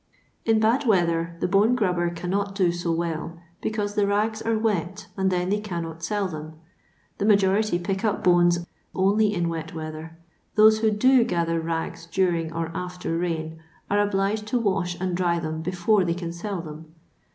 In bad weather the bone grubber cannot do so well, because the rags are wet, and then they cannot sell them. The majority pick up bones only in wet weather; those who do gather rags during or after rain are obliged to wash and dry them before they can sell them.